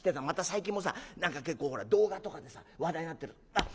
最近もさ何か結構動画とかでさ話題になってるあっ